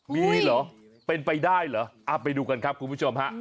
มีหรือเป็นไปได้หรือเอาไปดูกันครับคุณผู้ชม